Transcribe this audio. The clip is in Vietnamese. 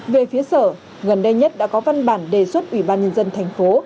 về phía sở gần đây nhất đã có văn bản đề xuất ủy ban nhân dân thành phố